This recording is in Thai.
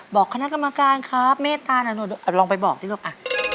บอกคณะกรรมการครับเมตตาน่ะหนูลองไปบอกสิลูกอ่ะ